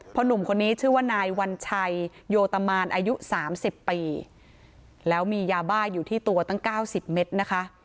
หนุ่มคนนี้ชื่อว่านายวัญชัยโยตมานอายุ๓๐ปีแล้วมียาบ้าอยู่ที่ตัวตั้ง๙๐เมตรนะคะ